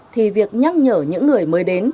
thì việc nhắc nhở những người mới đến